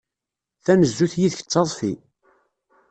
Tanezzut yid-k d taḍfi.